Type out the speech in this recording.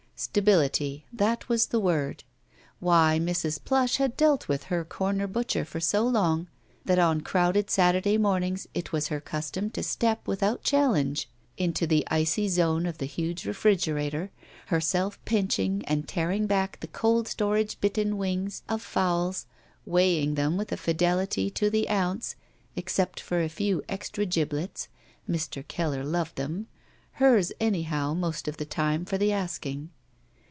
Stability, that was the word. Why, Mrs. Plush had dealt with her comer butcher for so long that on crowded Saturday mornings it was her custom to step without challenge into the icy zone of the huge refrigerator, herself pinching and tearing back the cold storage bitten wings of fowls, weighing them with a fidelity to the ounce, except for a few extra giblets (Mr. Keller loved them), hers, anyhow, most of the time, for the asking.